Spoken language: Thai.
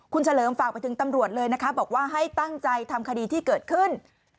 คุณเฉลิมฝากไปถึงตำรวจเลยนะคะบอกว่าให้ตั้งใจทำคดีที่เกิดขึ้น